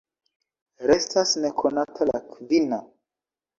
Restas nekonata la kvina.